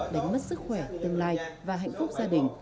đánh mất sức khỏe tương lai và hạnh phúc gia đình